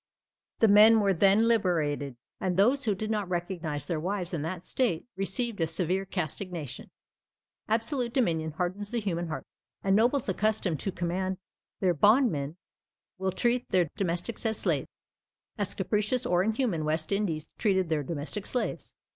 The men were then liberated, and those who did not recognise their wives in that state received a severe castigation. Absolute dominion hardens the human heart; and nobles accustomed to command their bondmen will treat their domestics as slaves, as capricious or inhuman West Indians treated their domestic slaves.